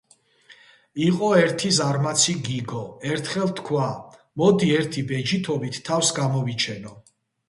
იყო ერთი ზარმაცი გიგო. ერთხელ თქვა: მოდი, ერთი ბეჯითობით თავს გამოვიჩენო